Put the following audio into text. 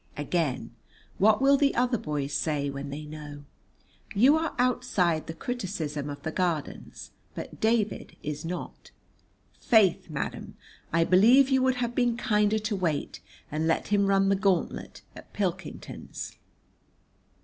Again, what will the other boys say when they know? You are outside the criticism of the Gardens, but David is not. Faith, madam, I believe you would have been kinder to wait and let him run the gauntlet at Pilkington's.